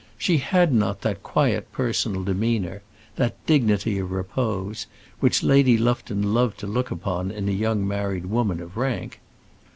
She had not that quiet personal demeanour that dignity of repose which Lady Lufton loved to look upon in a young married woman of rank.